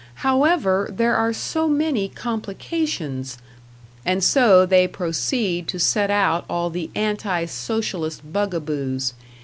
However, there are so many complications and so they proceed to set out all the anti Socialist bug a boos.